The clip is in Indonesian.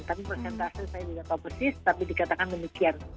tapi persentase saya tidak tahu persis tapi dikatakan demikian